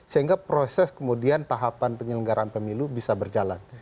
sehingga proses kemudian tahapan penyelenggaraan pemilu bisa berjalan